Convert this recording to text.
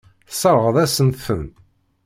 Tesseṛɣeḍ-asent-ten.